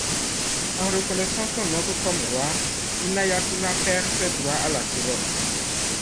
En reconnaissant son oncle comme roi, Inayattullah perd ses droits à la couronne.